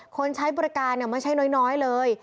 ใช้บริการไม่ใช่น้อยเลย